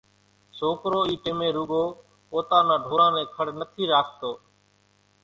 سوڪرو اِي ٽيمين روڳو پوتا نان ڍوران نين کڙ نٿي راکتو۔